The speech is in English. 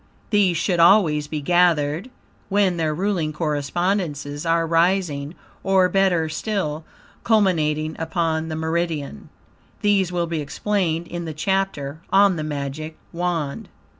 These should always be gathered when their ruling correspondences are rising, or, BETTER STILL, CULMINATING UPON THE MERIDIAN. These will be explained in the chapter on The Magic Wand.